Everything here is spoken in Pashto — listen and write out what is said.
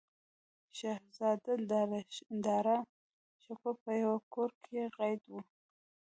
شهزاده داراشکوه په یوه کور کې قید و.